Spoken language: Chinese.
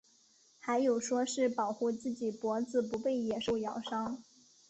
还有说是保护自己脖子不被野兽咬伤。